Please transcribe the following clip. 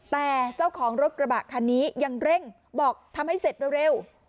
แต่เจ้าของรถกระบะคันนี้ยังเร่งบอกทำให้เสร็จเร็ว